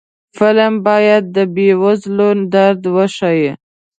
فلم باید د بې وزلو درد وښيي